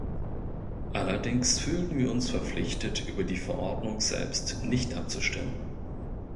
Allerdings fühlten wir uns verpflichtet, über die Verordnung selbst nicht abzustimmen.